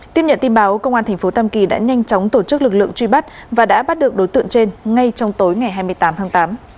tiếp nhận tin báo công an tp tam kỳ đã nhanh chóng tổ chức lực lượng truy bắt và đã bắt được đối tượng trên ngay trong tối ngày hai mươi tám tháng tám